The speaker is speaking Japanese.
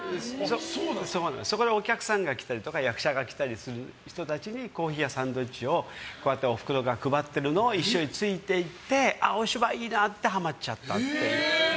そこでお客さんが来たりとか役者が来たりしてコーヒーやサンドイッチをおふくろが配ってるのを一緒についていってお芝居いいなってハマっちゃったっていう。